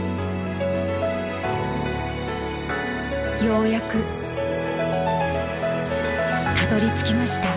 ようやくたどり着きました。